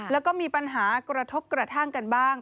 แล้วก็มีปัญหากระทบกระทั่งกันบ้าง